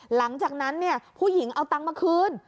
หลังจากนั้นเนี่ยผู้หญิงเอาตังค์มาคืน